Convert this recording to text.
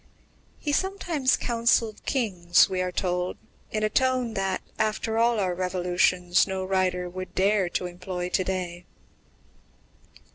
He sometimes counselled kings, we are told, "in a tone that, after all our revolutions, no writer would dare to employ to day."